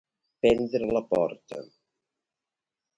Prendre la porta.